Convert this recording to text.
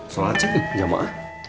sholat cek ya pak